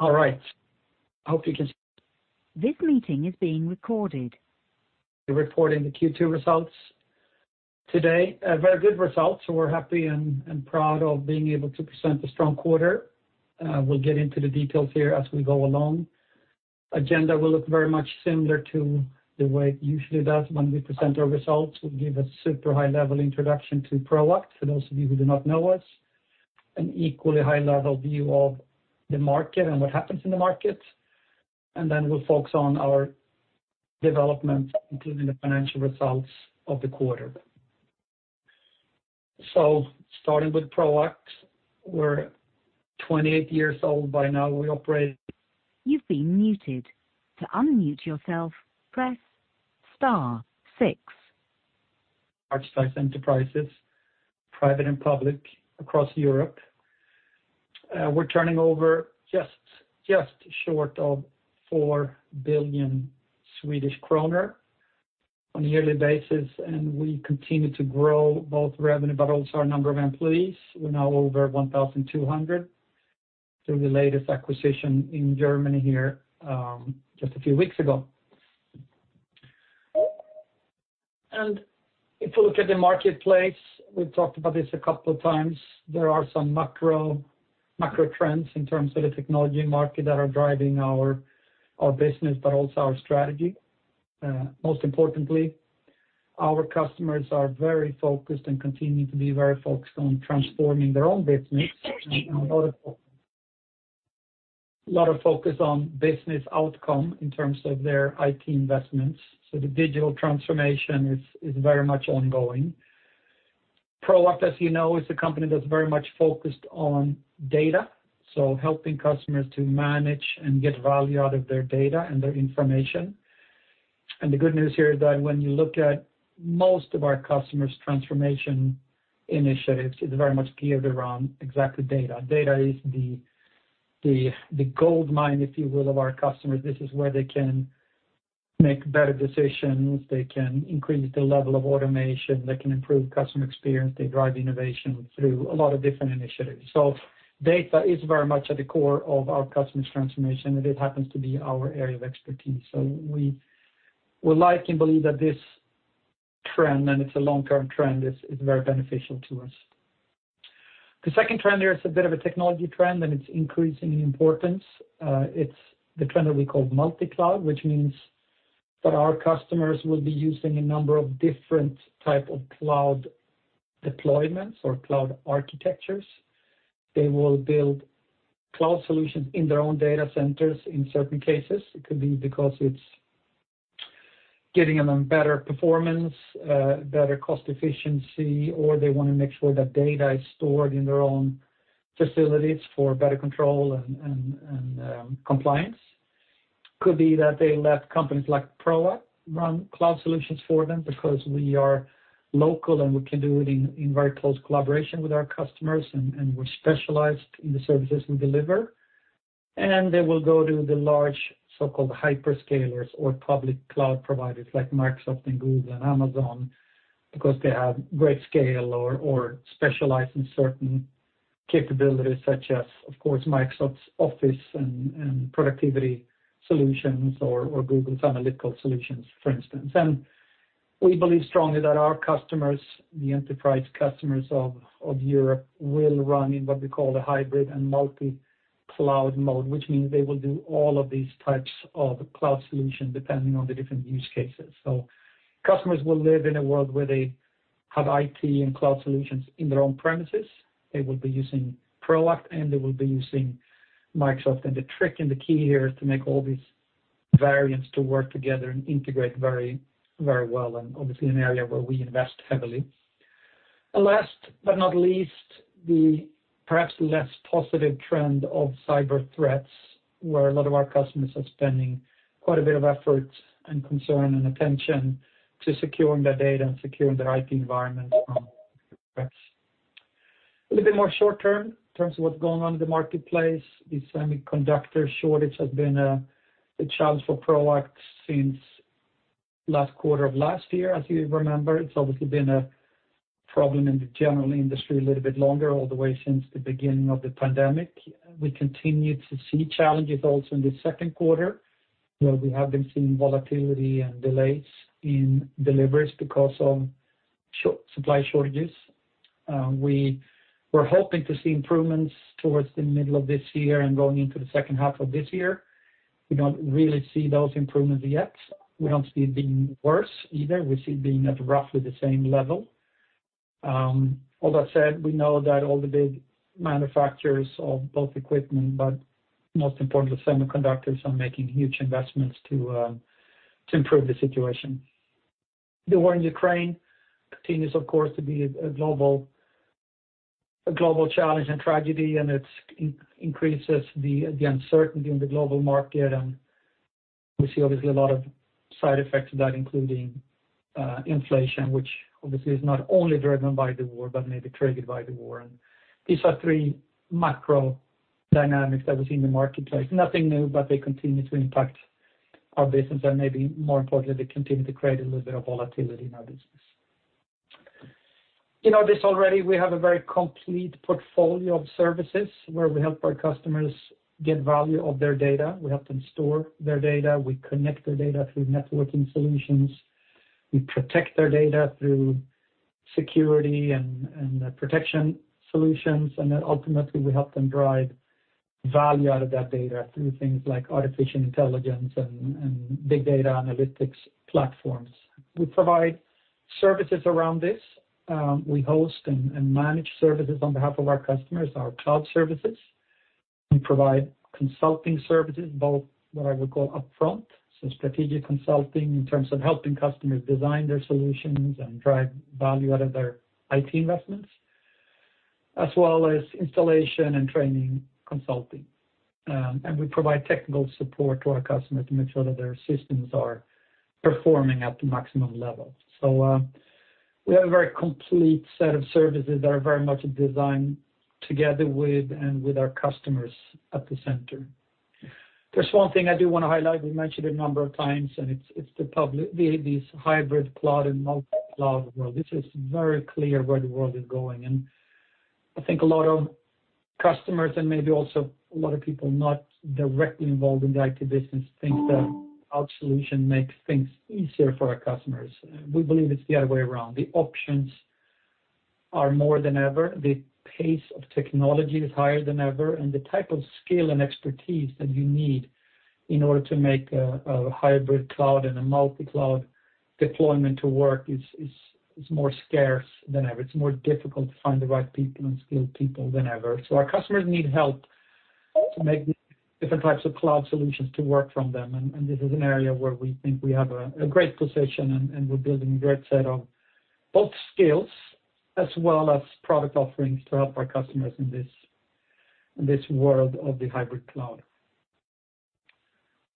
All right. I hope you can. Reporting the Q2 results today. Very good results. We're happy and proud of being able to present a strong quarter. We'll get into the details here as we go along. Agenda will look very much similar to the way it usually does when we present our results. We'll give a super high level introduction to Proact for those of you who do not know us, an equally high level view of the market and what happens in the market, and then we'll focus on our development, including the financial results of the quarter. Starting with Proact, we're 28 years old by now. We operate. Large size enterprises, private and public across Europe. We're turning over just short of 4 billion Swedish kronor on a yearly basis, and we continue to grow both revenue but also our number of employees. We're now over 1,200 through the latest acquisition in Germany here, just a few weeks ago. If you look at the marketplace, we've talked about this a couple of times. There are some macro trends in terms of the technology market that are driving our business, but also our strategy. Most importantly, our customers are very focused and continuing to be very focused on transforming their own business. A lot of focus on business outcome in terms of their IT investments. The digital transformation is very much ongoing. Proact, as you know, is a company that's very much focused on data, so helping customers to manage and get value out of their data and their information. The good news here is that when you look at most of our customers' transformation initiatives, it's very much geared around exactly data. Data is the goldmine, if you will, of our customers. This is where they can make better decisions. They can increase the level of automation. They drive innovation through a lot of different initiatives. Data is very much at the core of our customers' transformation, and it happens to be our area of expertise. We would like and believe that this trend, and it's a long-term trend, is very beneficial to us. The second trend here is a bit of a technology trend, and it's increasing in importance. It's the trend that we call multi-cloud, which means that our customers will be using a number of different type of cloud deployments or cloud architectures. They will build cloud solutions in their own data centers in certain cases. It could be because it's getting them better performance, better cost efficiency, or they wanna make sure that data is stored in their own facilities for better control and compliance. Could be that they let companies like Proact run cloud solutions for them because we are local and we can do it in very close collaboration with our customers and we're specialized in the services we deliver. They will go to the large so-called Hyperscalers or public cloud providers like Microsoft and Google and Amazon because they have great scale or specialize in certain capabilities such as, of course, Microsoft's Office and productivity solutions or Google's analytical solutions, for instance. We believe strongly that our customers, the enterprise customers of Europe, will run in what we call a hybrid and multi-cloud mode, which means they will do all of these types of cloud solution depending on the different use cases. Customers will live in a world where they have IT and cloud solutions in their own premises. They will be using Proact, and they will be using Microsoft. The trick and the key here is to make all these variants to work together and integrate very, very well and obviously an area where we invest heavily. Last but not least, the perhaps less positive trend of cyber threats, where a lot of our customers are spending quite a bit of effort and concern and attention to securing their data and securing their IT environment from threats. A little bit more short term in terms of what's going on in the marketplace, the semiconductor shortage has been a challenge for Proact since last quarter of last year, as you remember. It's obviously been a problem in the general industry a little bit longer, all the way since the beginning of the pandemic. We continue to see challenges also in the second quarter, where we have been seeing volatility and delays in deliveries because of supply shortages. We were hoping to see improvements towards the middle of this year and going into the second half of this year. We don't really see those improvements yet. We don't see it being worse either. We see it being at roughly the same level. All that said, we know that all the big manufacturers of both equipment, but most importantly semiconductors, are making huge investments to improve the situation. The war in Ukraine continues of course to be a global challenge and tragedy, and it increases the uncertainty in the global market. We see obviously a lot of side effects of that, including, inflation, which obviously is not only driven by the war but maybe triggered by the war. These are three macro dynamics that we see in the marketplace. Nothing new, but they continue to impact our business and maybe more importantly, they continue to create a little bit of volatility in our business. You know this already. We have a very complete portfolio of services where we help our customers get value of their data. We help them store their data. We connect their data through networking solutions. We protect their data through security and protection solutions. Then ultimately, we help them drive value out of that data through things like Artificial Intelligence and big data analytics platforms. We provide services around this. We host and manage services on behalf of our customers, our cloud services. We provide consulting services, both what I would call upfront, so strategic consulting in terms of helping customers design their solutions and drive value out of their IT investments, as well as installation and training consulting. We provide technical support to our customers to make sure that their systems are performing at the maximum level. We have a very complete set of services that are very much designed together with our customers at the center. There's one thing I do wanna highlight. We mentioned a number of times, it's this hybrid cloud and multi-cloud world. This is very clear where the world is going. I think a lot of customers and maybe also a lot of people not directly involved in the IT business think that our solution makes things easier for our customers. We believe it's the other way around. The options are more than ever, the pace of technology is higher than ever, and the type of skill and expertise that you need in order to make a hybrid cloud and a multi-cloud deployment to work is more scarce than ever. It's more difficult to find the right people and skilled people than ever. Our customers need help to make different types of cloud solutions to work for them. This is an area where we think we have a great position, and we're building a great set of both skills as well as product offerings to help our customers in this world of the hybrid cloud.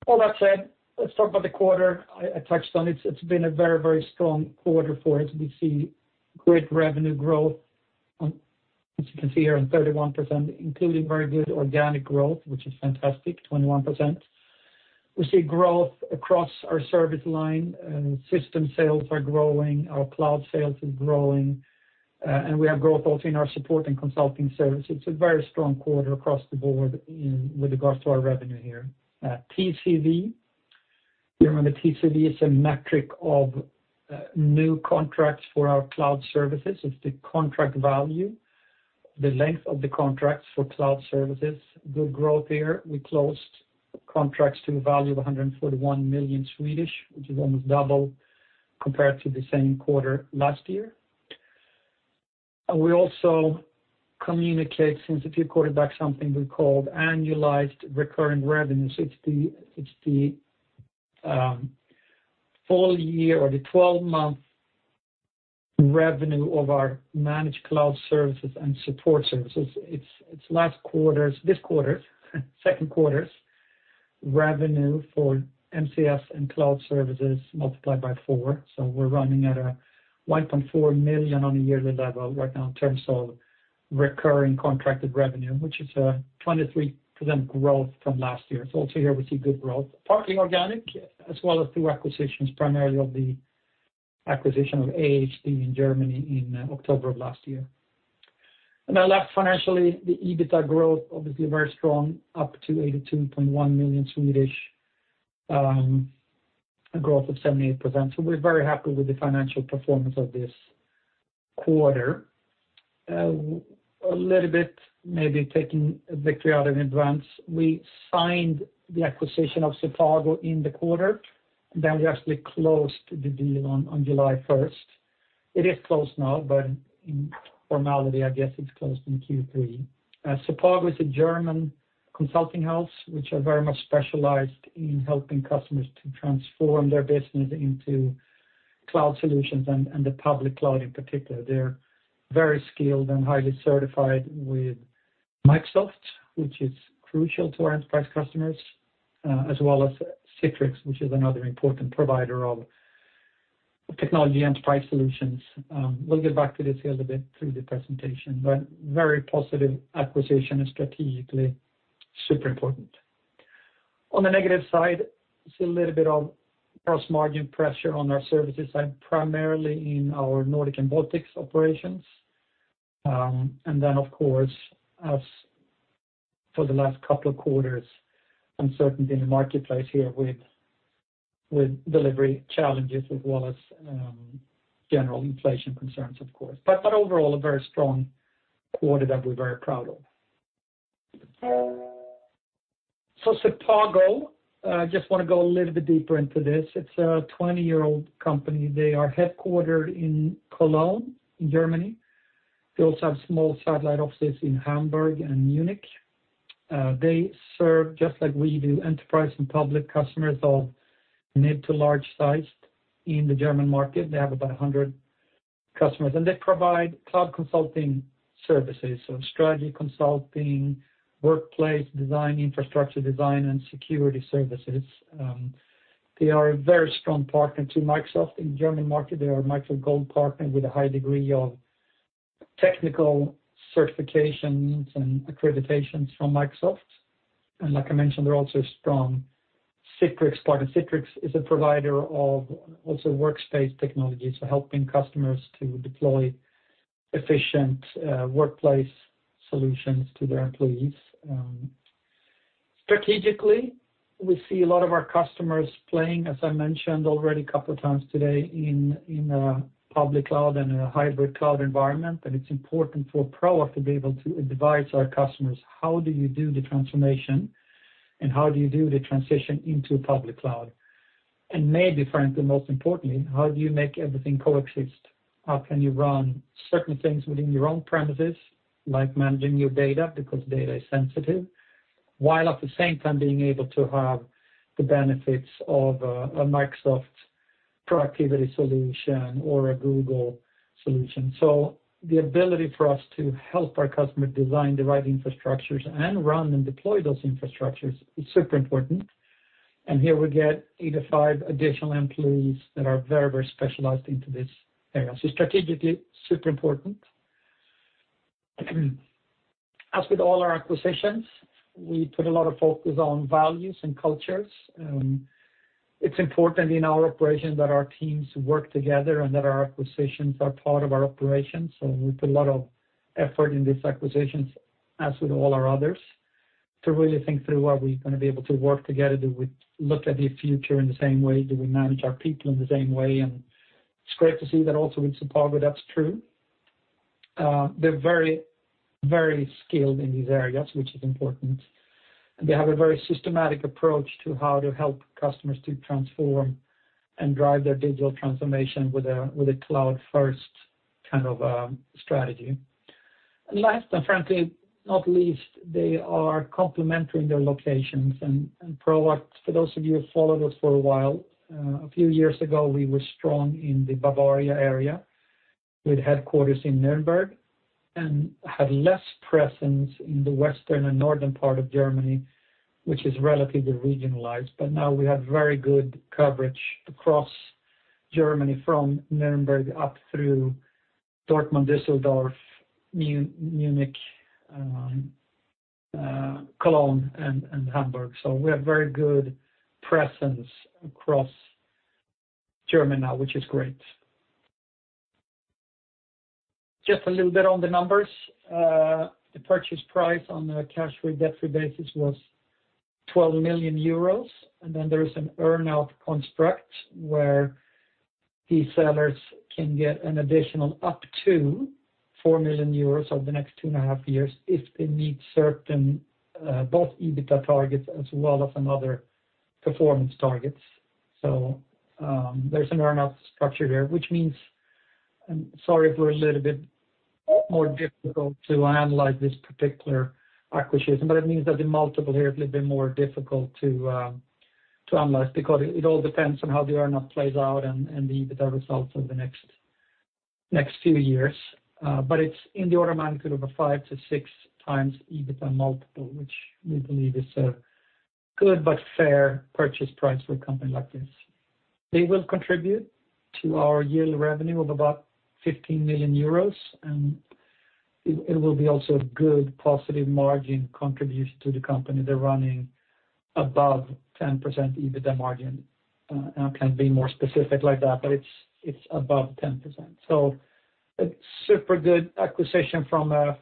All that said, let's talk about the quarter. I touched on it. It's been a very, very strong quarter for us. We see great revenue growth on. As you can see here, on 31%, including very good organic growth, which is fantastic, 21%. We see growth across our service line, and system sales are growing, our cloud sales is growing, and we have growth also in our support and consulting services. It's a very strong quarter across the board with regards to our revenue here. TCV. You remember TCV is a metric of new contracts for our cloud services. It's the contract value, the length of the contracts for cloud services. Good growth here. We closed contracts to the value of 141 million, which is almost double compared to the same quarter last year. We also communicate, since a few quarter back, something we called annualized recurring revenues. It's the full year or the 12-month revenue of our managed cloud services and support services. Second quarter's revenue for MCS and cloud services multiplied by four. We're running at 1.4 million on a yearly level right now in terms of recurring contracted revenue, which is a 23% growth from last year. Also here we see good growth, partly organic, as well as through acquisitions, primarily of the acquisition of AHD in Germany in October of last year. At last, financially, the EBITA growth, obviously very strong, up to 82.1 million, a growth of 78%. We're very happy with the financial performance of this quarter. A little bit maybe taking a victory lap in advance. We signed the acquisition of Sepago in the quarter, then we actually closed the deal on July 1st. It is closed now, but informally, I guess it's closed in Q3. Sepago is a German consulting house, which are very much specialized in helping customers to transform their business into cloud solutions and the public cloud in particular. They're very skilled and highly certified with Microsoft, which is crucial to our enterprise customers, as well as Citrix, which is another important provider of technology enterprise solutions. We'll get back to this a little bit through the presentation, but very positive acquisition and strategically super important. On the negative side, I see a little bit of gross margin pressure on our services side, primarily in our Nordics & Baltics operations. Of course, as for the last couple of quarters, uncertainty in the marketplace here with delivery challenges as well as general inflation concerns of course. Overall, a very strong quarter that we're very proud of. Sepago, just wanna go a little bit deeper into this. It's a 20-year-old company. They are headquartered in Cologne in Germany. They also have small satellite offices in Hamburg and Munich. They serve, just like we do, enterprise and public customers of mid- to large-sized in the German market. They have about 100 customers, and they provide cloud consulting services, so strategy consulting, workplace design, infrastructure design, and security services. They are a very strong partner to Microsoft. In the German market, they are a Microsoft Gold partner with a high degree of technical certifications and accreditations from Microsoft. Like I mentioned, they're also strong in Citrix. Citrix is a provider of workspace technology, so helping customers to deploy efficient workplace solutions to their employees. Strategically, we see a lot of our customers playing, as I mentioned already a couple of times today, in a public cloud and a hybrid cloud environment. It's important for Proact to be able to advise our customers, how do you do the transformation, and how do you do the transition into a public cloud? Maybe, frankly, most importantly, how do you make everything coexist? How can you run certain things within your own premises, like managing your data, because data is sensitive, while at the same time being able to have the benefits of a Microsoft productivity solution or a Google solution. The ability for us to help our customer design the right infrastructures and run and deploy those infrastructures is super important. Here we get 85 additional employees that are very, very specialized into this area. Strategically, super important. As with all our acquisitions, we put a lot of focus on values and cultures. It's important in our operation that our teams work together and that our acquisitions are part of our operations, so we put a lot of effort in these acquisitions, as with all our others, to really think through are we gonna be able to work together, do we look at the future in the same way, do we manage our people in the same way? It's great to see that also with Sepago that's true. They're very, very skilled in these areas, which is important. They have a very systematic approach to how to help customers to transform and drive their digital transformation with a cloud-first kind of strategy. Last, and frankly not least, they are complementary in their locations and Proact, for those of you who followed us for a while, a few years ago, we were strong in the Bavaria area with headquarters in Nuremberg and had less presence in the Western and Northern part of Germany, which is relatively regionalized. Now we have very good coverage across Germany, from Nuremberg up through Dortmund, Düsseldorf, Munich, Cologne and Hamburg. We have very good presence across Germany now, which is great. Just a little bit on the numbers. The purchase price on a cash-free, debt-free basis was 12 million euros. There is an earn-out construct, where the sellers can get an additional up to 4 million euros over the next two and 1/2 years if they meet certain both EBITDA targets as well as some other performance targets. There's an earn-out structure there, which means I'm sorry if this is a little bit more difficult to analyze this particular acquisition, but it means that the multiple here is a little bit more difficult to analyze because it all depends on how the earn-out plays out and the EBITDA results over the next few years. But it's in the order of magnitude of a 5x-6x EBITDA multiple, which we believe is a good but fair purchase price for a company like this. They will contribute to our yearly revenue of about 15 million euros, and it will be also a good positive margin contribution to the company. They're running above 10% EBITDA margin. I can't be more specific like that, but it's above 10%. A super good acquisition from a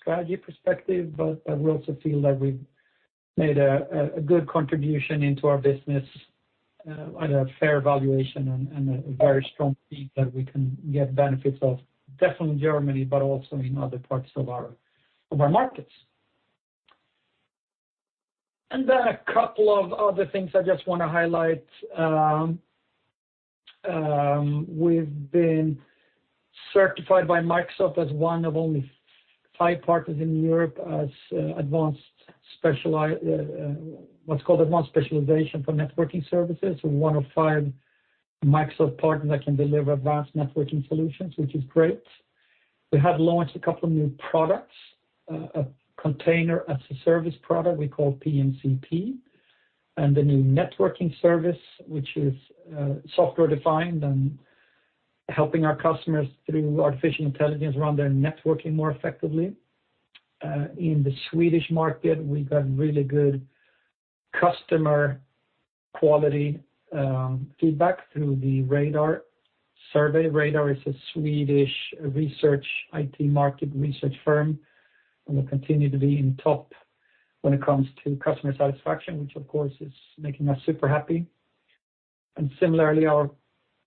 strategy perspective, but I also feel that we've made a good contribution into our business at a fair valuation and a very strong team that we can get benefits of, definitely in Germany, but also in other parts of our markets. A couple of other things I just wanna highlight. We've been certified by Microsoft as one of only five partners in Europe as what's called Advanced Specialization for Networking Services. We're one of five Microsoft partners that can deliver advanced networking solutions, which is great. We have launched a couple of new products, a Container-as-a-Service product we call PMCP, and a new networking service, which is software-defined and helping our customers through Artificial Intelligence run their networking more effectively. In the Swedish market, we've gotten really good customer quality feedback through the Radar survey. Radar is a Swedish IT market research firm, and we continue to be in top when it comes to customer satisfaction, which of course is making us super happy. Similarly, our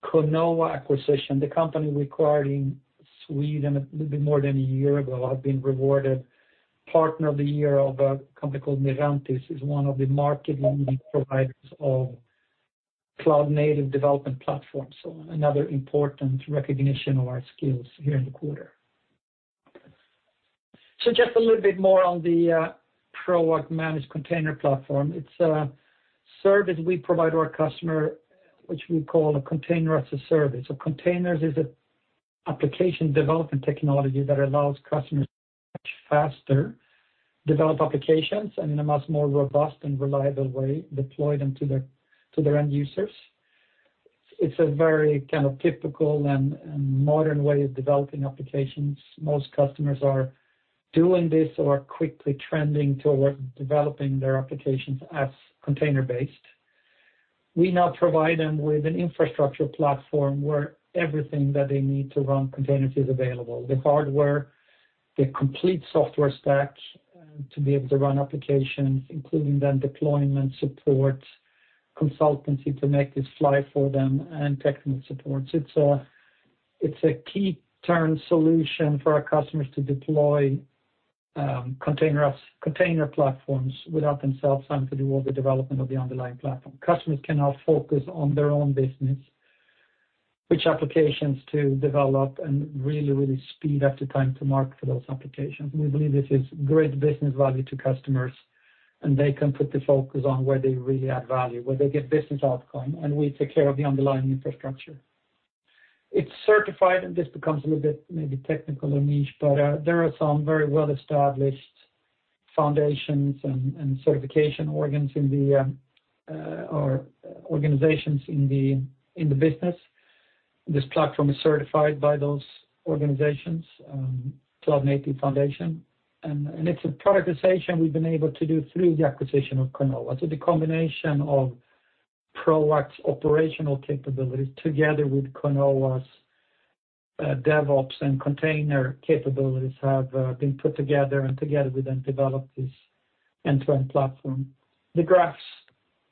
Conoa acquisition, the company we acquired in Sweden a little bit more than a year ago, have been rewarded Partner of the Year of a company called Mirantis, is one of the market leading providers of cloud-native development platforms. Another important recognition of our skills here in the quarter. Just a little bit more on the Proact Managed Container Platform. It's a service we provide to our customer, which we call a Container-as-a-Service. Containers is an application development technology that allows customers much faster develop applications and in a much more robust and reliable way deploy them to their end users. It's a very kind of typical and modern way of developing applications. Most customers are doing this or quickly trending towards developing their applications as container-based. We now provide them with an infrastructure platform where everything that they need to run containers is available. The hardware, the complete software stack to be able to run applications, including then deployment support, consultancy to make this fly for them, and technical support. It's a turnkey solution for our customers to deploy container apps, container platforms without themselves having to do all the development of the underlying platform. Customers can now focus on their own business, which applications to develop and really speed up the time to market for those applications. We believe this is great business value to customers, and they can put the focus on where they really add value, where they get business outcome, and we take care of the underlying infrastructure. It's certified, and this becomes a little bit maybe technical or niche, but there are some very well-established foundations and certification organizations in the business. This platform is certified by those organizations, Cloud Native Foundation. It's a productization we've been able to do through the acquisition of Conoa. The combination of Proact operational capabilities together with Conoa's DevOps and container capabilities have been put together, and together we then develop this end-to-end platform. The graphs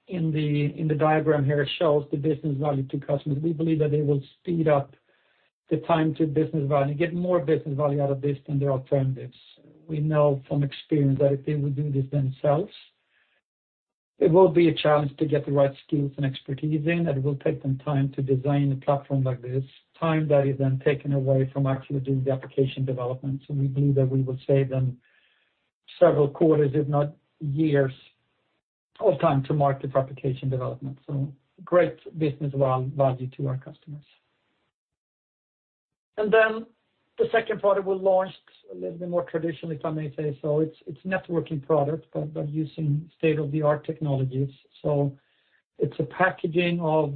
in the diagram here show the business value to customers. We believe that they will speed up the time to business value, get more business value out of this than their alternatives. We know from experience that if they would do this themselves, it will be a challenge to get the right skills and expertise in, and it will take them time to design a platform like this. Time that is then taken away from actually doing the application development. We believe that we will save them several quarters, if not years, of time to market for application development. Great business value to our customers. The second product was launched a little bit more traditionally, if I may say so. It's a networking product, but using state-of-the-art technologies. It's a packaging of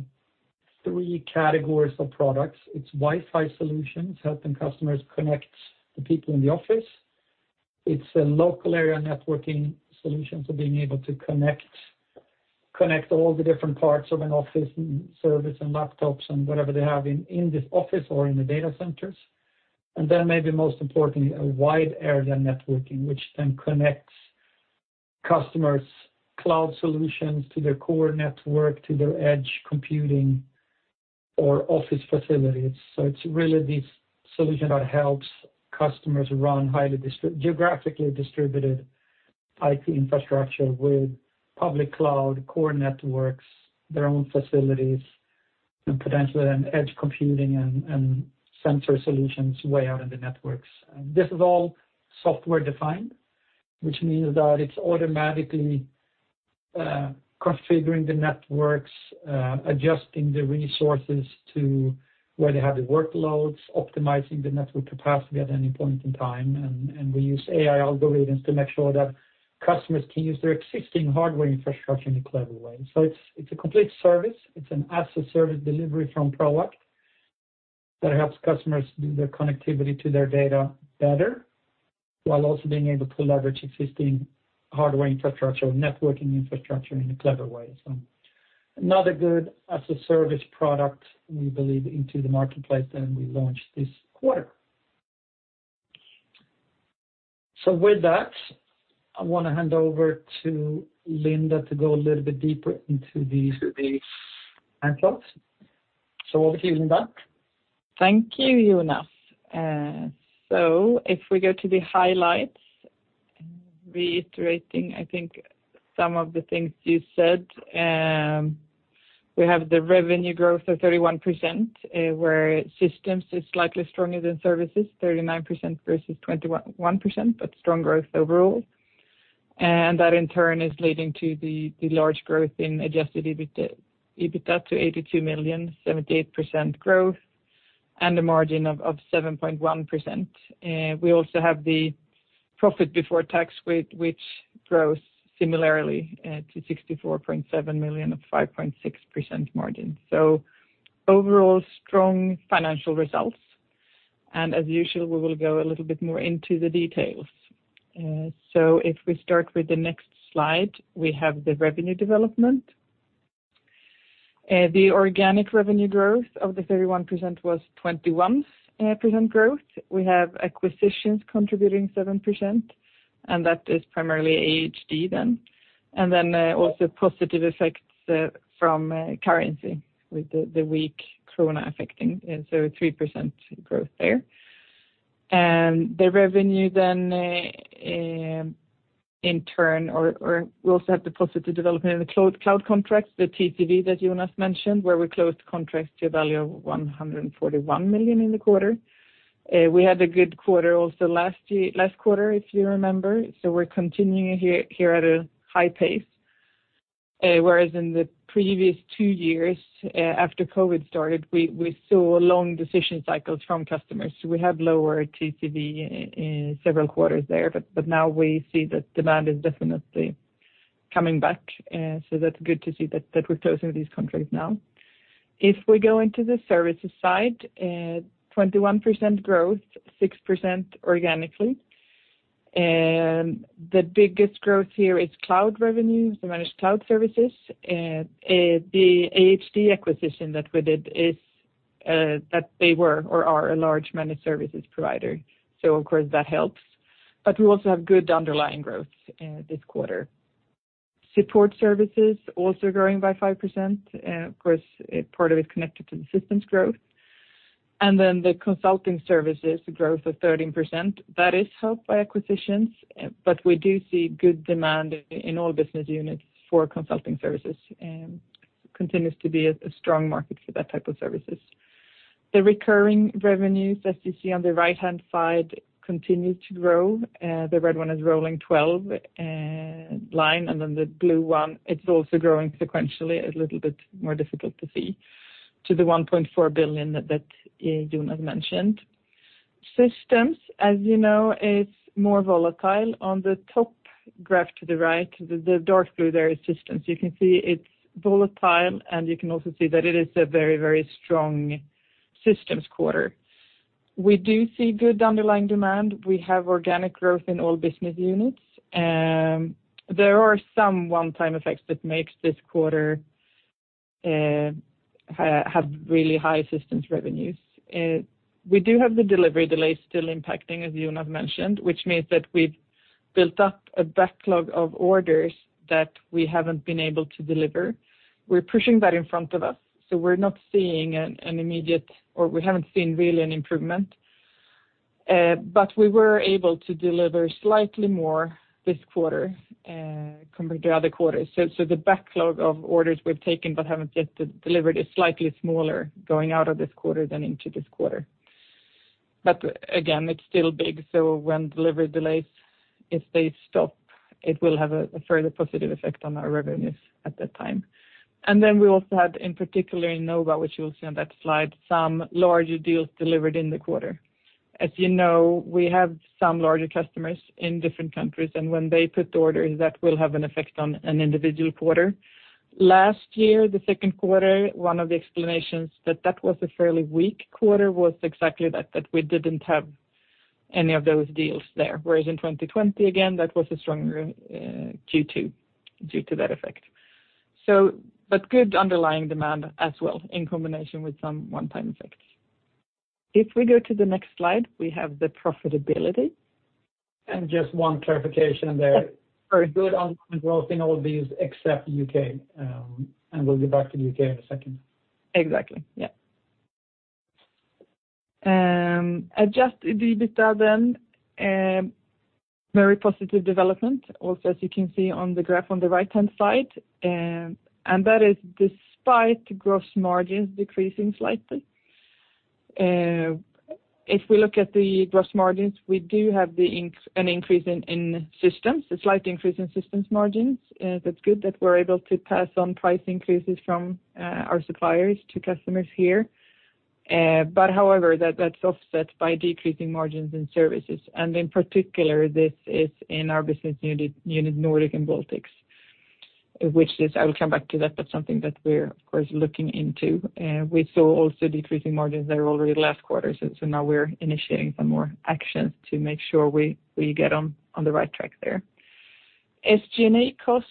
three categories of products. It's Wi-Fi solutions, helping customers connect the people in the office. It's a local area networking solution, so being able to connect all the different parts of an office and servers and laptops and whatever they have in this office or in the data centers. Maybe most importantly, a wide area networking, which then connects customers' cloud solutions to their core network, to their edge computing or office facilities. It's really the solution that helps customers run highly geographically distributed IT infrastructure with public cloud, core networks, their own facilities, and potentially then edge computing and sensor solutions way out in the networks. This is all software-defined, which means that it's automatically configuring the networks, adjusting the resources to where they have the workloads, optimizing the network capacity at any point in time. We use AI algorithms to make sure that customers can use their existing hardware infrastructure in a clever way. It's a complete service. It's an as-a-service delivery from Proact that helps customers do their connectivity to their data better, while also being able to leverage existing hardware infrastructure or networking infrastructure in a clever way. Another good as-a-service product, we believe in the marketplace, and we launched this quarter. With that, I wanna hand over to Linda to go a little bit deeper into the highlights. Over to you, Linda. Thank you, Jonas. If we go to the highlights, reiterating, I think some of the things you said, we have the revenue growth of 31%, where systems is slightly stronger than services, 39% versus 21%, but strong growth overall. That in turn is leading to the large growth in adjusted EBITDA to 82 million, 78% growth, and a margin of 7.1%. We also have the profit before tax, which grows similarly, to 64.7 million of 5.6% margin. Overall strong financial results. As usual, we will go a little bit more into the details. If we start with the next slide, we have the revenue development. The organic revenue growth of the 31% was 21% growth. We have acquisitions contributing 7%, and that is primarily AHD then. We also have positive effects from currency with the weak krona affecting, 3% growth there. The revenue then in turn, we also have the positive development in the cloud contracts, the TCV that Jonas mentioned, where we closed contracts to a value of 141 million in the quarter. We had a good quarter also last quarter, if you remember. We're continuing here at a high pace. Whereas in the previous two years, after COVID started, we saw long decision cycles from customers. We have lower TCV in several quarters there, but now we see that demand is definitely coming back. That's good to see that we're closing these contracts now. If we go into the services side, 21% growth, 6% organically. The biggest growth here is cloud revenues, the managed cloud services. The AHD acquisition that we did is that they were or are a large managed services provider. Of course, that helps. We also have good underlying growth this quarter. Support services also growing by 5%. Of course, part of it connected to the systems growth. The consulting services growth of 13%, that is helped by acquisitions, but we do see good demand in all business units for consulting services, continues to be a strong market for that type of services. The recurring revenues, as you see on the right-hand side, continue to grow. The red one is rolling 12 line, and then the blue one, it's also growing sequentially, a little bit more difficult to see, to the 1.4 billion that Jonas has mentioned. Systems, as you know, is more volatile. On the top graph to the right, the dark blue there is systems. You can see it's volatile, and you can also see that it is a very, very strong systems quarter. We do see good underlying demand. We have organic growth in all business units. There are some one-time effects that makes this quarter have really high systems revenues. We do have the delivery delays still impacting, as Jonas have mentioned, which means that we've built up a backlog of orders that we haven't been able to deliver. We're pushing that in front of us, so we're not seeing an immediate or we haven't seen really an improvement. We were able to deliver slightly more this quarter, compared to other quarters. The backlog of orders we've taken but haven't yet delivered is slightly smaller going out of this quarter than into this quarter. Again, it's still big. When delivery delays, if they stop, it will have a further positive effect on our revenues at that time. We also had, in particular in Nordics, which you will see on that slide, some larger deals delivered in the quarter. As you know, we have some larger customers in different countries, and when they put orders, that will have an effect on an individual quarter. Last year, the second quarter, one of the explanations that was a fairly weak quarter was exactly that we didn't have any of those deals there. Whereas in 2020, again, that was a stronger Q2 due to that effect. Good underlying demand as well in combination with some one-time effects. If we go to the next slide, we have the profitability. Just one clarification there. Yes. Very good on growth in all these except U.K., and we'll get back to U.K. in a second. Exactly. Yeah. Adjusted EBITDA then, very positive development also, as you can see on the graph on the right-hand side. That is despite gross margins decreasing slightly. If we look at the gross margins, we do have an increase in systems, a slight increase in systems margins. That's good that we're able to pass on price increases from our suppliers to customers here. But however, that's offset by decreasing margins in services. In particular, this is in our business unit Nordics & Baltics, which I will come back to, but something that we're, of course, looking into. We saw also decreasing margins there already last quarter. Now we're initiating some more actions to make sure we get on the right track there. SG&A costs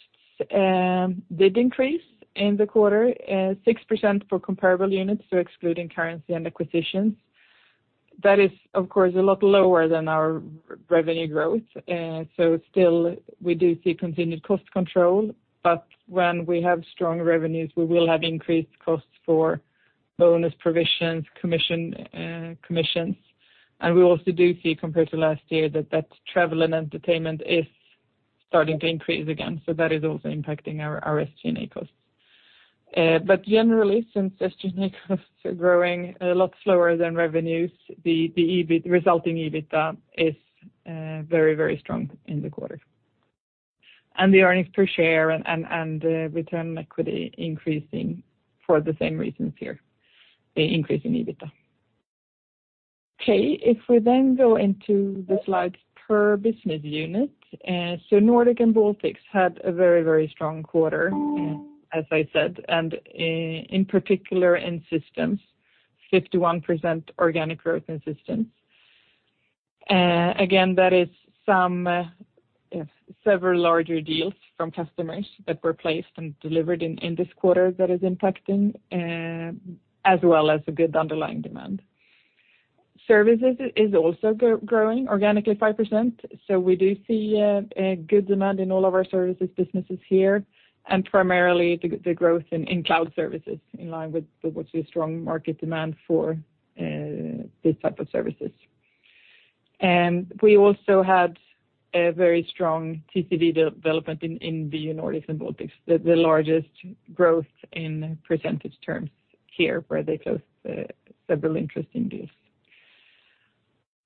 did increase in the quarter, 6% for comparable units, so excluding currency and acquisitions. That is, of course, a lot lower than our revenue growth. Still we do see continued cost control, but when we have strong revenues, we will have increased costs for bonus provisions, commissions. We also do see, compared to last year, that travel and entertainment is starting to increase again. That is also impacting our SG&A costs. Generally, since SG&A costs are growing a lot slower than revenues, the resulting EBITDA is very strong in the quarter. The earnings per share and return on equity increasing for the same reasons here, the increase in EBITDA. Okay. If we then go into the slides per business unit. Nordics & Baltics had a very strong quarter, as I said, and in particular in systems, 51% organic growth in systems. Again, that is several larger deals from customers that were placed and delivered in this quarter that is impacting, as well as a good underlying demand. Services is also growing organically 5%. We do see a good demand in all of our services businesses here, and primarily the growth in cloud services in line with the strong market demand for this type of services. We also had a very strong TCV development in the Nordics & Baltics, the largest growth in percentage terms here where they closed several interesting deals.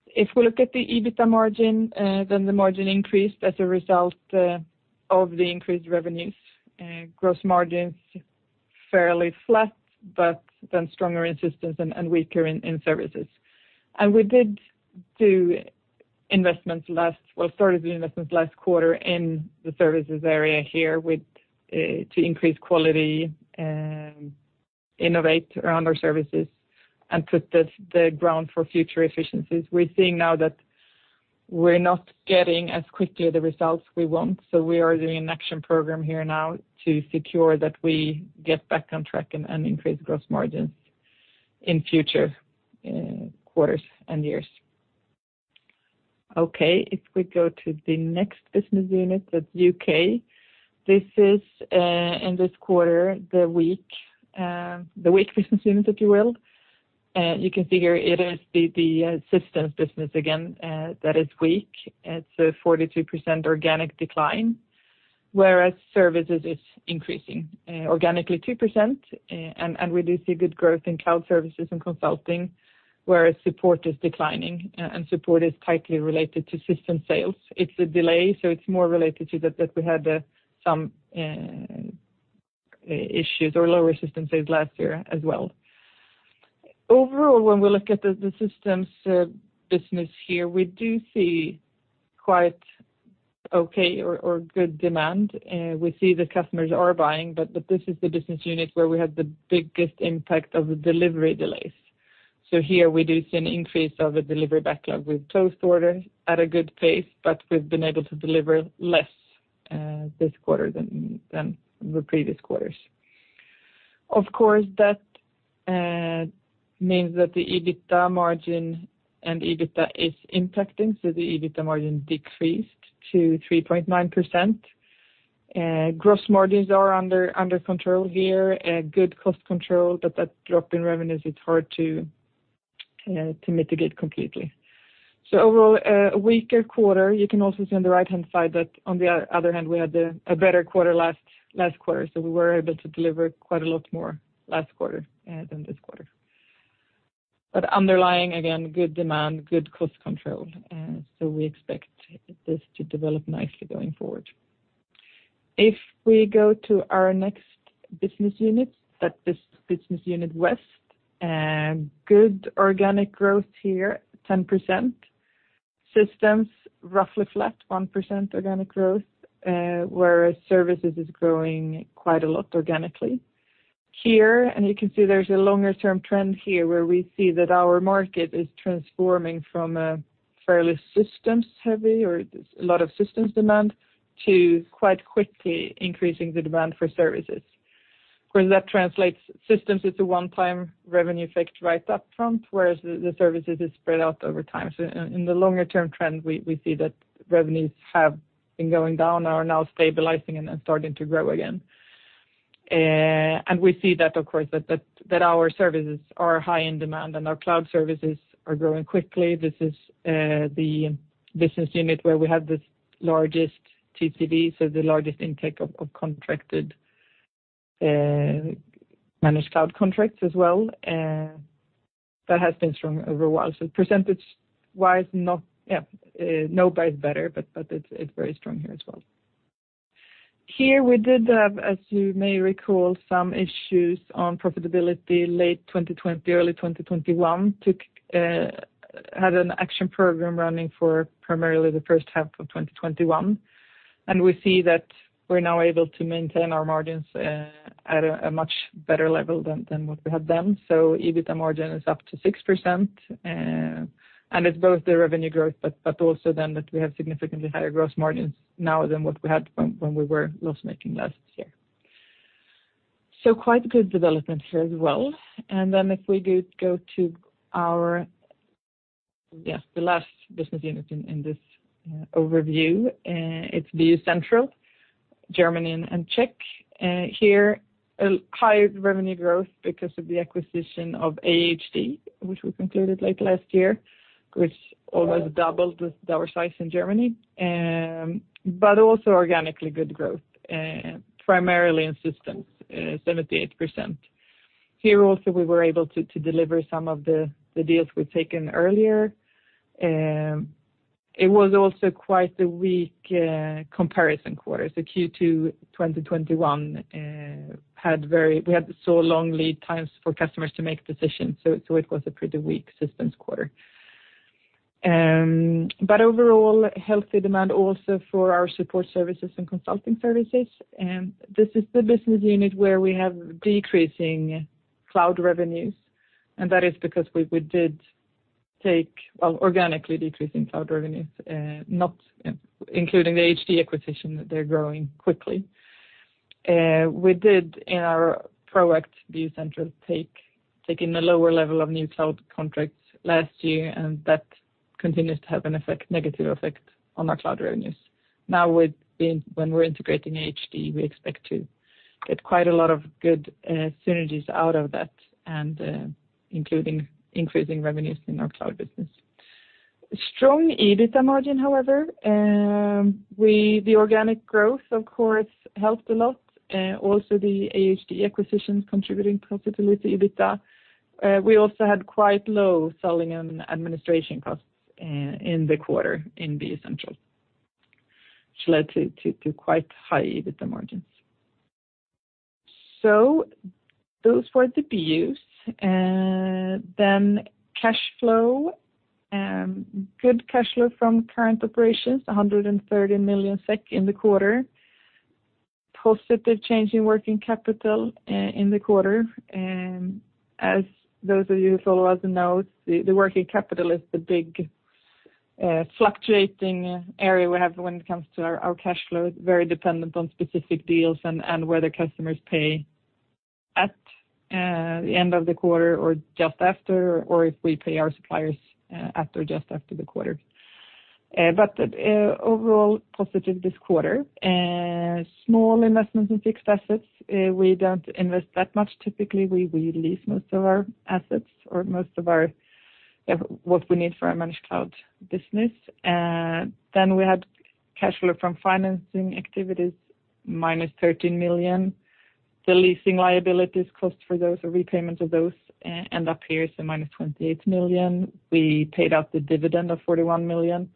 If we look at the EBITDA margin, then the margin increased as a result of the increased revenues. Gross margins fairly flat, but then stronger in systems and weaker in services. We started the investments last quarter in the services area here with to increase quality, innovate around our services and put the ground for future efficiencies. We're seeing now that we're not getting as quickly the results we want, so we are doing an action program here now to secure that we get back on track and increase gross margins in future quarters and years. Okay, if we go to the next business unit, that's U.K. This is, in this quarter, the weak business unit, if you will. You can see here it is the systems business again that is weak. It's a 42% organic decline, whereas services is increasing organically 2%, and we do see good growth in cloud services and consulting, whereas support is declining and support is tightly related to system sales. It's a delay, so it's more related to that we had some issues or lower system sales last year as well. Overall, when we look at the systems business here, we do see quite okay or good demand. We see the customers are buying, but this is the business unit where we had the biggest impact of the delivery delays. Here we do see an increase of the delivery backlog. We've closed orders at a good pace, but we've been able to deliver less this quarter than the previous quarters. Of course, that means that the EBITDA margin and EBITDA are impacted, so the EBITDA margin decreased to 3.9%. Gross margins are under control here. Good cost control, but that drop in revenues is hard to mitigate completely. Overall, a weaker quarter. You can also see on the right-hand side that on the other hand, we had a better quarter last quarter. We were able to deliver quite a lot more last quarter than this quarter. Underlying, again, good demand, good cost control, so we expect this to develop nicely going forward. If we go to our next business unit, that is Business Unit West, good organic growth here, 10%. Systems roughly flat, 1% organic growth, whereas services is growing quite a lot organically. Here, you can see there's a longer term trend here, where we see that our market is transforming from a fairly systems heavy or there's a lot of systems demand to quite quickly increasing the demand for services. Of course, that translates systems is a one-time revenue effect right up front, whereas the services is spread out over time. In the longer term trend, we see that revenues have been going down, are now stabilizing and then starting to grow again. We see that, of course, that our services are high in demand and our cloud services are growing quickly. This is the business unit where we have the largest TCV, so the largest intake of contracted managed cloud contracts as well. That has been strong over a while. Percentage-wise, nobody's better, but it's very strong here as well. Here we did, as you may recall, some issues on profitability late 2020, early 2021. Had an action program running for primarily the first half of 2021. We see that we're now able to maintain our margins at a much better level than what we had then. EBITDA margin is up to 6%, and it's both the revenue growth, but also then that we have significantly higher gross margins now than what we had when we were loss-making last year. Quite good development here as well. If we go to the last business unit in this overview, it's BU Central, Germany and Czech. Here a higher revenue growth because of the acquisition of AHD, which we concluded late last year, which almost doubled our size in Germany, but also organically good growth, primarily in systems, 78%. Here also we were able to deliver some of the deals we've taken earlier. It was also quite a weak comparison quarter. Q2 2021. We had so long lead times for customers to make decisions, so it was a pretty weak systems quarter. Overall, healthy demand also for our support services and consulting services. This is the business unit where we have decreasing cloud revenues, and that is because we did take, well, organically decreasing cloud revenues, not including the AHD acquisition, they're growing quickly. We did in our Proact BU Central take in a lower level of new cloud contracts last year, and that continues to have an effect, negative effect on our cloud revenues. Now when we're integrating AHD, we expect to get quite a lot of good synergies out of that and including increasing revenues in our cloud business. Strong EBITDA margin, however. The organic growth of course helped a lot. Also the AHD acquisition contributing positively to EBITDA. We also had quite low selling and administration costs in the quarter in BU Central, which led to quite high EBITDA margins. Those were the BUs. Cash flow. Good cash flow from current operations, 130 million SEK in the quarter. Positive change in working capital in the quarter. As those of you who follow us know, the working capital is the big fluctuating area we have when it comes to our cash flow. It's very dependent on specific deals and whether customers pay at the end of the quarter or just after, or if we pay our suppliers at or just after the quarter. Overall positive this quarter. Small investments in fixed assets. We don't invest that much. Typically, we lease most of our assets or most of what we need for our Managed Cloud business. We had cash flow from financing activities -13 million. The leasing liabilities cost for those or repayments of those end up here, so -28 million. We paid out the dividend of 41 million.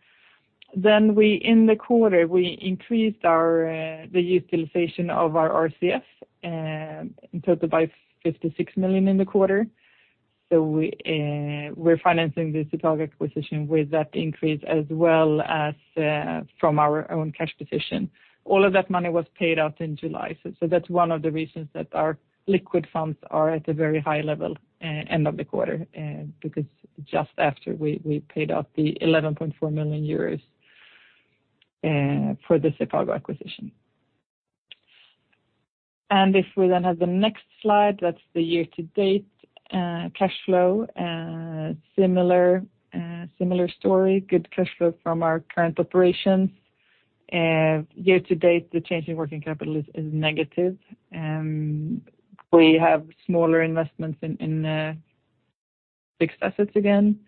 In the quarter, we increased our utilization of our RCF in total by 56 million in the quarter. We're financing the Sepago acquisition with that increase as well as from our own cash position. All of that money was paid out in July. That's one of the reasons that our liquid funds are at a very high level end of the quarter because just after we paid out the 11.4 million euros for the Sepago acquisition. If we then have the next slide, that's the year-to-date cash flow. Similar story, good cash flow from our current operations. Year to date, the change in working capital is negative. We have smaller investments in fixed assets again.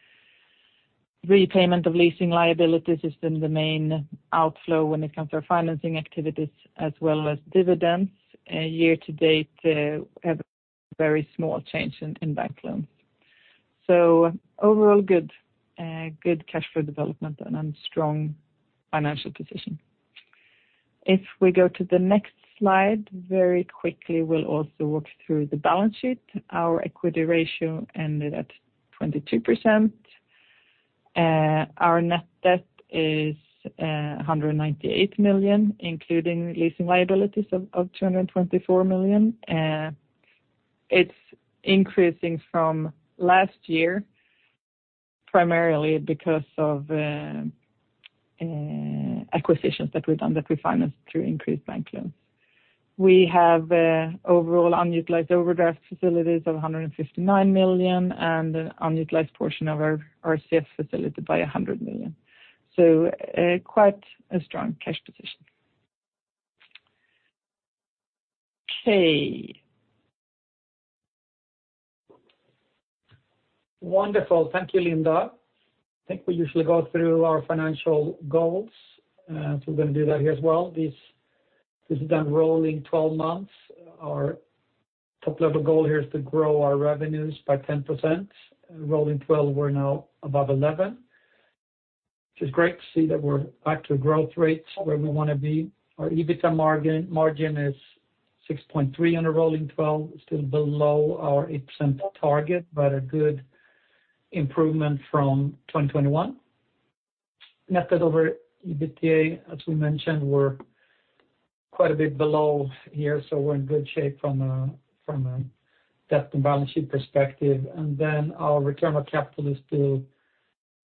Repayment of leasing liabilities has been the main outflow when it comes to our financing activities as well as dividends. Year to date, have very small change in bank loans. Overall, good cash flow development and strong financial position. If we go to the next slide, very quickly, we'll also walk through the balance sheet. Our equity ratio ended at 22%. Our net debt is 198 million, including leasing liabilities of 224 million. It's increasing from last year, primarily because of acquisitions that we've done that we financed through increased bank loans. We have overall unutilized overdraft facilities of 159 million and an unutilized portion of our RCF facility of 100 million. Quite a strong cash position. Okay. Wonderful. Thank you, Linda. I think we usually go through our financial goals, so we're gonna do that here as well. This is done rolling 12 months. Our top level goal here is to grow our revenues by 10%. Rolling 12, we're now above 11%, which is great to see that we're back to growth rates where we wanna be. Our EBITDA margin is 6.3% on a rolling 12, still below our 8% target, but a good improvement from 2021. Net debt over EBITDA, as we mentioned, we're quite a bit below here, so we're in good shape from a debt and balance sheet perspective. Our return on capital is still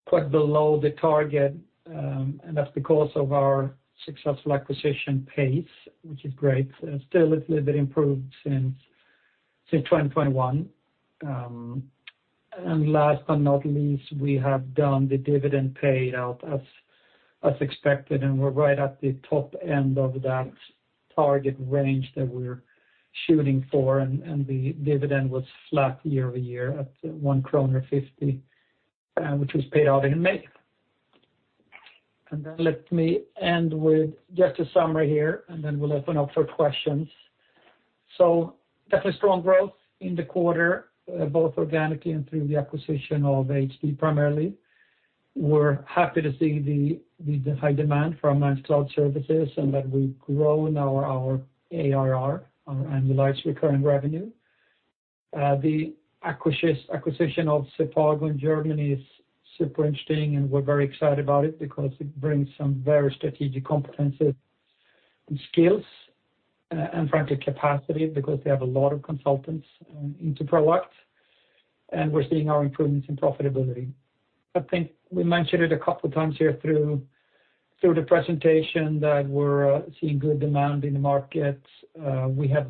quite below the target, and that's because of our successful acquisition pace, which is great. Still, it's a little bit improved since 2021. Last but not least, we have done the dividend paid out as expected, and we're right at the top end of that target range that we're shooting for. The dividend was flat year-over-year at 1.50 kronor, which was paid out in May. Let me end with just a summary here, and then we'll open up for questions. Definitely strong growth in the quarter, both organically and through the acquisition of AHD primarily. We're happy to see the high demand for our Managed Cloud services and that we've grown our ARR, our annualized recurring revenue. The acquisition of Sepago in Germany is super interesting, and we're very excited about it because it brings some very strategic competencies and skills, and frankly, capacity because they have a lot of consultants into Proact, and we're seeing improvements in profitability. I think we mentioned it a couple times here through the presentation that we're seeing good demand in the markets. We have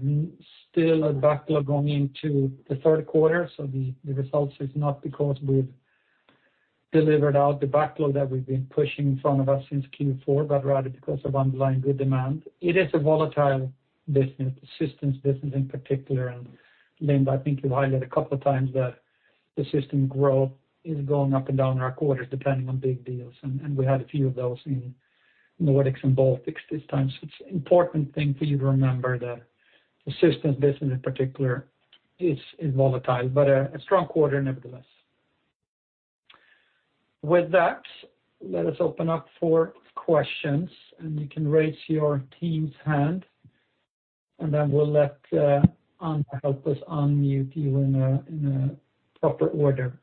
still a backlog going into the third quarter, so the results is not because we've delivered out the backlog that we've been pushing in front of us since Q4, but rather because of underlying good demand. It is a volatile business, the systems business in particular. Linda, I think you highlighted a couple of times that the systems growth is going up and down over quarters depending on big deals. We had a few of those in the Nordics and Baltics this time. It's important thing for you to remember that the systems business in particular is volatile, but a strong quarter nevertheless. With that, let us open up for questions and you can raise your team's hand, and then we'll let Ann help us unmute you in a proper order.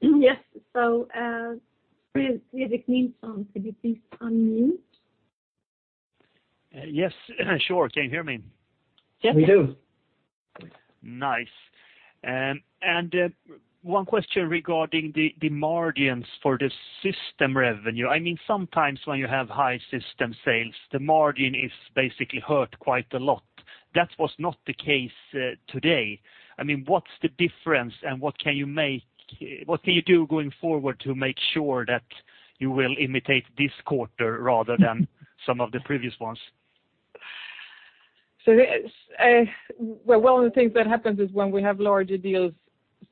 Yes. Fredrik Nilsson, could you please unmute? Yes, sure. Can you hear me? Yes. We do. Nice. One question regarding the margins for the system revenue. I mean, sometimes when you have high system sales, the margin is basically hurt quite a lot. That was not the case today. I mean, what's the difference and what can you do going forward to make sure that you will emulate this quarter rather than some of the previous ones? It's, well, one of the things that happens is when we have larger deals,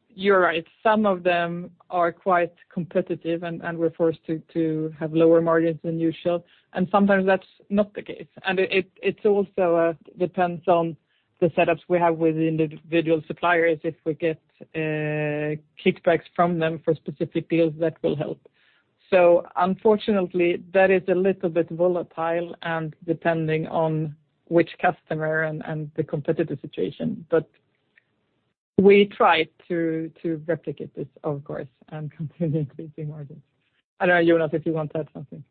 you're right, some of them are quite competitive and we're forced to have lower margins than usual. Sometimes that's not the case. It also depends on the setups we have with individual suppliers. If we get kickbacks from them for specific deals, that will help. Unfortunately, that is a little bit volatile and depending on which customer and the competitive situation. We try to replicate this, of course, and continue increasing margins. I don't know, Jonas, if you want to add something.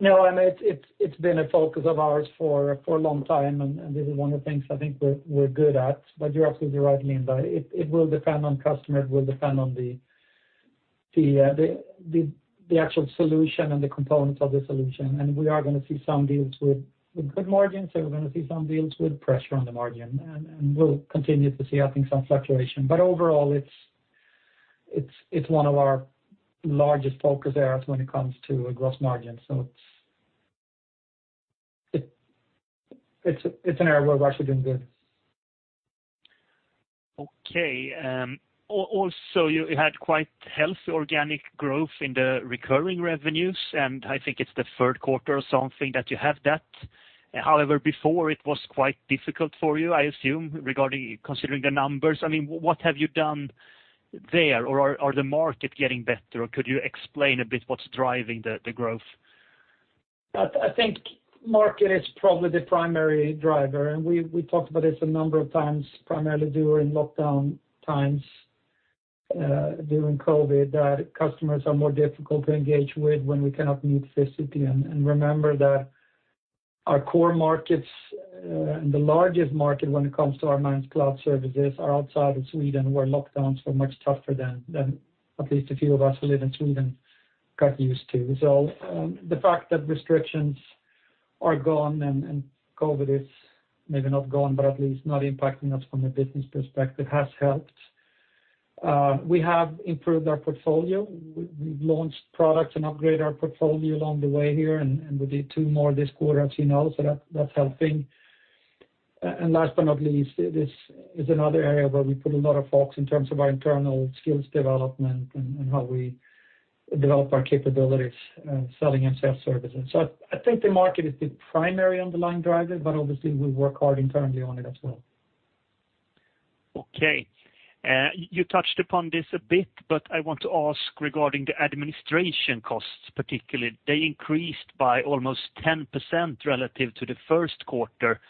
No, I mean, it's been a focus of ours for a long time, and this is one of the things I think we're good at. You're absolutely right, Nilsson. It will depend on customer, the actual solution and the components of the solution. We are gonna see some deals with good margins, and we're gonna see some deals with pressure on the margin. We'll continue to see, I think, some fluctuation. Overall, it's one of our largest focus areas when it comes to gross margin. It's an area where we're actually doing good. Okay. Also, you had quite healthy organic growth in the recurring revenues, and I think it's the third quarter or something that you have that. However, before it was quite difficult for you, I assume, regarding considering the numbers. I mean, what have you done there? Or are the market getting better? Could you explain a bit what's driving the growth? I think the market is probably the primary driver, and we talked about this a number of times, primarily during lockdown times, during COVID, that customers are more difficult to engage with when we cannot meet physically. Remember that our core markets, and the largest market when it comes to our managed cloud services are outside of Sweden, where lockdowns were much tougher than at least a few of us who live in Sweden got used to. The fact that restrictions are gone and COVID is maybe not gone, but at least not impacting us from a business perspective has helped. We have improved our portfolio. We've launched products and upgraded our portfolio along the way here, and we did two more this quarter, as you know, so that's helping. Last but not least, this is another area where we put a lot of focus in terms of our internal skills development and how we develop our capabilities, selling and self-services. I think the market is the primary underlying driver, but obviously we work hard internally on it as well. Okay. You touched upon this a bit, but I want to ask regarding the administration costs, particularly. They increased by almost 10% relative to the first quarter.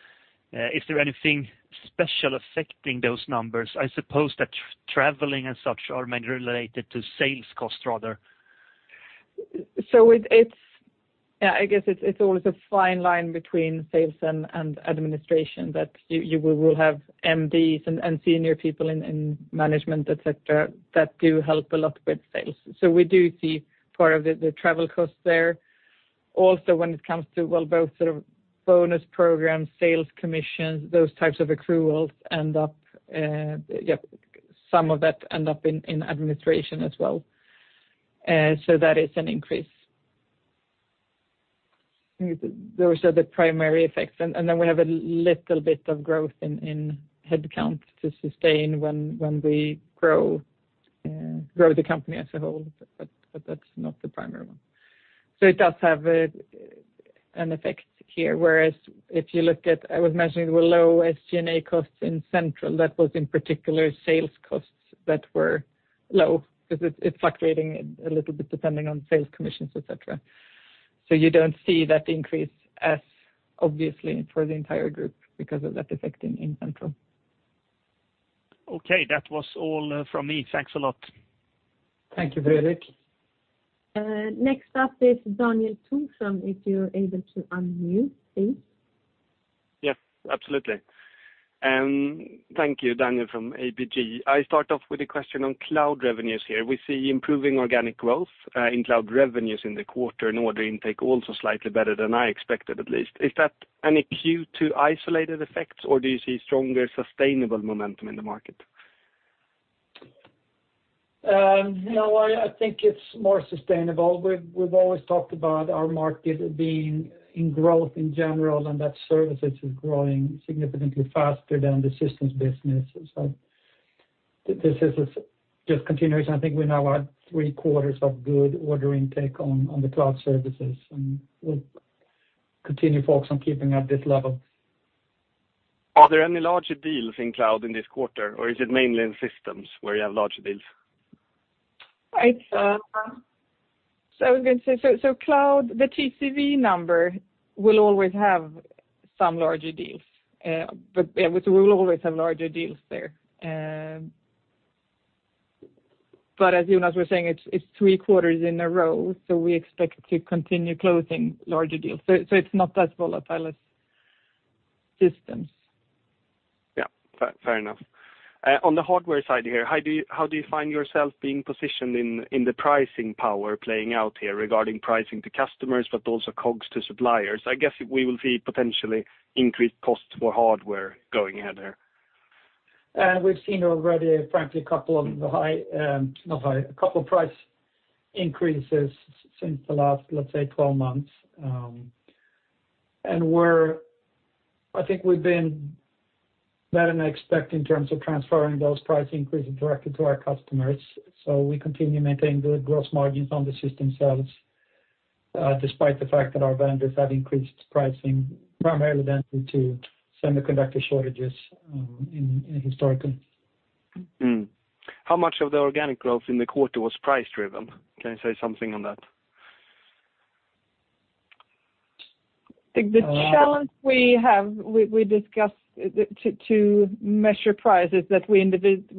Is there anything special affecting those numbers? I suppose that traveling and such are mainly related to sales costs rather. It's always a fine line between sales and administration, but you will have MDs and senior people in management, et cetera, that do help a lot with sales. We do see part of the travel costs there. Also, when it comes to, well, both sort of bonus programs, sales commissions, those types of accruals end up, some of that end up in administration as well. That is an increase. Those are the primary effects. Then we have a little bit of growth in headcount to sustain when we grow the company as a whole, but that's not the primary one. It does have an effect here, whereas if you look at, I was mentioning the low SG&A costs in Central, that was in particular sales costs that were low because it's fluctuating a little bit depending on sales commissions, et cetera. You don't see that increase as obviously for the entire group because of that effect in Central. Okay. That was all, from me. Thanks a lot. Thank you, Fredrik. Next up is Daniel Tufvesson, if you're able to unmute, please. Yes, absolutely. Thank you. Daniel from ABG. I start off with a question on cloud revenues here. We see improving organic growth in cloud revenues in the quarter and order intake also slightly better than I expected, at least. Is that due to isolated effects or do you see stronger sustainable momentum in the market? No, I think it's more sustainable. We've always talked about our market being in growth in general and that services is growing significantly faster than the systems business. This is just continuous. I think we now have 3/4 of good order intake on the cloud services, and we'll continue to focus on keeping at this level. Are there any larger deals in cloud in this quarter or is it mainly in systems where you have larger deals? Cloud, the TCV number will always have some larger deals. Yeah, we will always have larger deals there. As Jonas was saying, it's three quarters in a row, so we expect to continue closing larger deals. It's not as volatile as systems. Yeah. Fair enough. On the hardware side here, how do you find yourself being positioned in the pricing power playing out here regarding pricing to customers but also costs to suppliers? I guess we will see potentially increased costs for hardware going ahead there. We've seen already, frankly, a couple price increases since the last, let's say, 12 months. I think we've been better than expected in terms of transferring those price increases directly to our customers. We continue maintaining good gross margins on the system sales, despite the fact that our vendors have increased pricing primarily due to semiconductor shortages in history. How much of the organic growth in the quarter was price driven? Can you say something on that? The challenge we have, we discussed to measure prices that we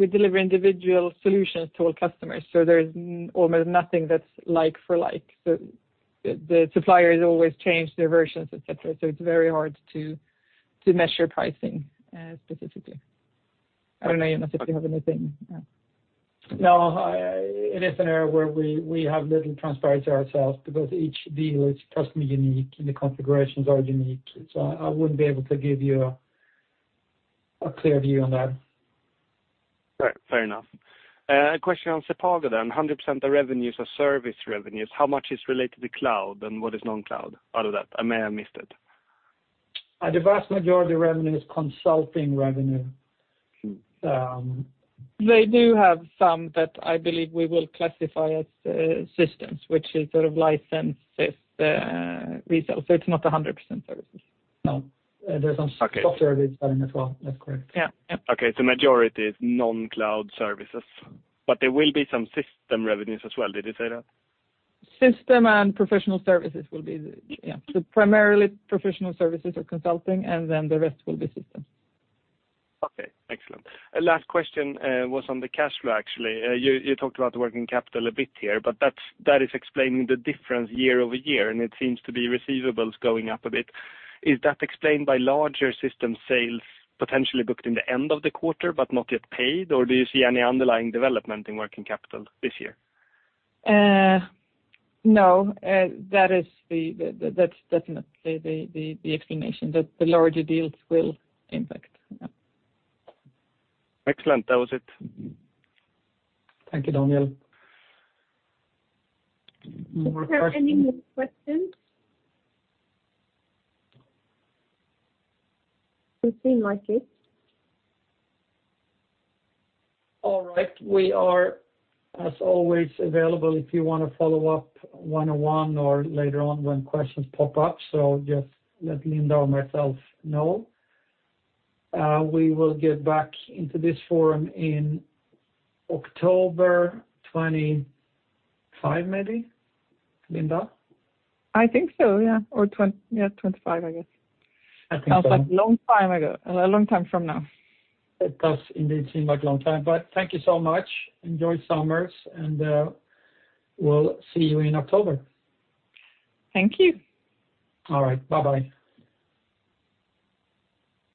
deliver individual solutions to all customers, so there's almost nothing that's like for like. The suppliers always change their versions, et cetera, so it's very hard to measure pricing, specifically. I don't know, Jonas, if you have anything. No. It is an area where we have little transparency ourselves because each deal is personally unique and the configurations are unique. I wouldn't be able to give you a clear view on that. Right. Fair enough. A question on Sepago then. 100% the revenues are service revenues. How much is related to cloud and what is non-cloud out of that? I may have missed it. The vast majority of revenue is consulting revenue. They do have some that I believe we will classify as, systems, which is sort of licensed as the resale. It's not 100% services. No. There's some software. Okay. as well. That's correct. Yeah. Okay. Majority is non-cloud services, but there will be some system revenues as well. Did you say that? Systems and professional services will be. Yeah. Primarily professional services or consulting, and then the rest will be systems. Okay. Excellent. Last question was on the cash flow, actually. You talked about the working capital a bit here, but that is explaining the difference year over year, and it seems to be receivables going up a bit. Is that explained by larger system sales potentially booked in the end of the quarter but not yet paid, or do you see any underlying development in working capital this year? No, that's definitely the explanation that the larger deals will impact. Yeah. Excellent. That was it. Thank you, Daniel. More questions. Is there any more questions? It seem like it. All right. We are, as always, available if you wanna follow up one-on-one or later on when questions pop up. Just let Linda or myself know. We will get back into this forum in October 2025, maybe. Linda? I think so, yeah. 25, I guess. I think so. Sounds like long time ago. A long time from now. It does indeed seem like a long time, but thank you so much. Enjoy summers, and we'll see you in October. Thank you. All right. Bye-bye.